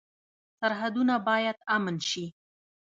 سرحدونه باید امن شي